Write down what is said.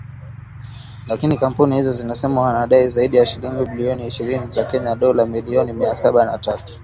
Lakini kampuni hizo zinasema wanadai zaidi ya shilingi bilioni ishirini za Kenya, dola milioni mia sabini na tatu.